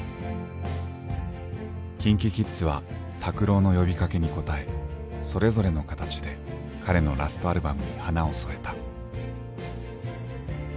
ＫｉｎＫｉＫｉｄｓは拓郎の呼びかけに応えそれぞれの形で彼のラストアルバムに花を添えた。